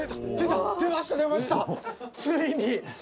ついに！